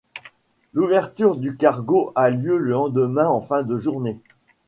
L'ouverture du cargo a lieu le lendemain en fin de journée.